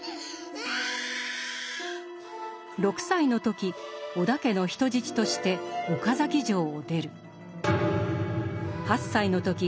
６歳の時織田家の人質として岡崎城を出る。